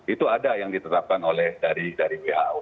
itu ada yang ditetapkan oleh dari who